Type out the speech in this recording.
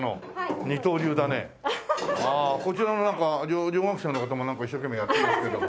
こちらの女学生の方もなんか一生懸命やっていますけども。